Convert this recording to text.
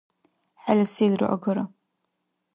ХӀела селра агара.